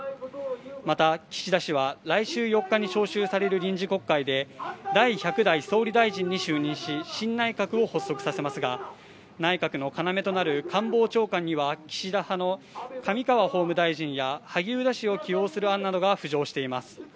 また岸田氏は来週４日に召集される臨時国会で第１００代総理大臣に就任し新内閣を発足させますが内閣の要となる官房長官には岸田派の上川法務大臣や萩生田氏を起用する案などが浮上しています